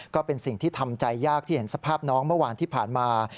ก็เป็นสิ่งที่ทำใจยากที่เห็นสภาพน้องเมื่อวานที่ผ่านมา